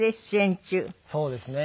そうですね。